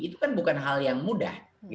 itu kan bukan hal yang mudah